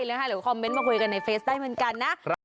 หรือคอมเมนต์มาคุยกันในเฟซได้เหมือนกันนะ